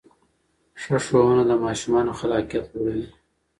ښه ښوونه د ماشومانو خلاقیت لوړوي.